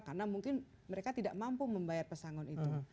karena mungkin mereka tidak mampu membayar pesangon itu